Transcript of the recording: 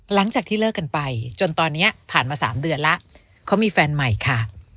หลังจากที่เลิกกันไปจนตอนนี้ผ่านมา๓เดือนแล้วเขามีแฟนใหม่ค่ะ